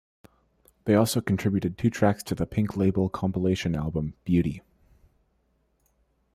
They also contributed two tracks to the Pink Label compilation album, "Beauty".